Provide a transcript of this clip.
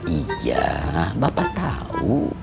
iya bapak tau